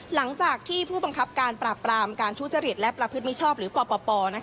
หลังจากที่ผู้บังคับการปราบปรามการทุจริตและประพฤติมิชชอบหรือปป